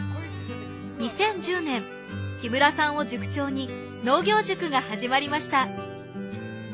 ２０１０年木村さんを塾長に農業塾が始まりました。